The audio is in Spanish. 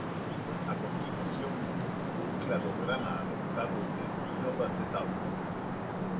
A continuación un cladograma adoptado de Novas "et al.